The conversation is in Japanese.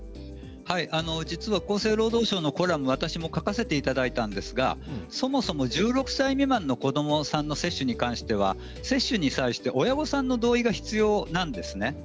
実は厚生労働省のコラム私も書かせていただいたんですがそもそも１６歳未満の子どもさんの接種に対しては親御さんの同意が必要なんですね。